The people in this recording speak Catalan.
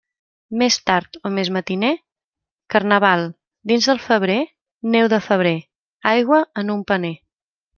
Més tard o més matiner, Carnaval, dins del febrer Neu de febrer, aigua en un paner.